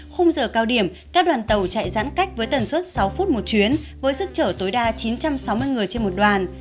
khung giờ cao điểm các đoàn tàu chạy giãn cách với tần suất sáu phút một chuyến với sức chở tối đa chín trăm sáu mươi người trên một đoàn